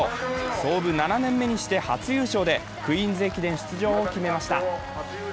創部７年目にして初優勝で、クイーンズ駅伝出場を決めました。